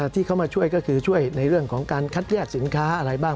ที่เขามาช่วยก็คือช่วยในเรื่องของการคัดแยกสินค้าอะไรบ้าง